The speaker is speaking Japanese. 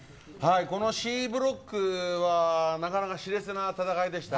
Ｃブロックはなかなかし烈な戦いでした。